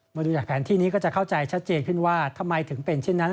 มาดูจากแผนที่นี้ก็จะเข้าใจชัดเจนขึ้นว่าทำไมถึงเป็นเช่นนั้น